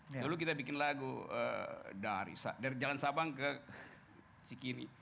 dulu kita bikin lagu dari jalan sabang ke cikini